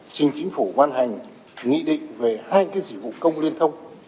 xin chính phủ văn hành nghị định về hai cái sỉ vụ công liên thông